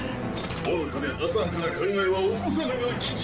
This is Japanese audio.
愚かで浅はかな考えは起こさぬが吉。